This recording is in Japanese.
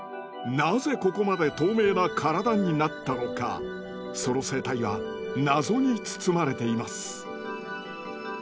なぜここまで透明な体になったのかその生態はナゾに包まれています。